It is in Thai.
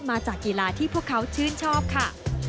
มาจากกีฬาที่พวกเขาชื่นชอบค่ะ